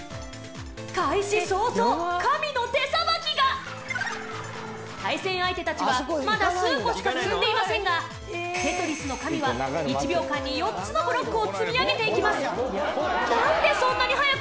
開始早々、神の手さばきが対戦相手たちはまだ数個しか積んでいませんが『テトリス』の神は１秒間に４つのブロックを積み上げていきますなんで、そんなに速くできるんですか？